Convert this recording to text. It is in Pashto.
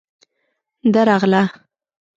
_درغله.